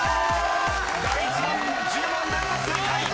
［第１問１０問連続正解！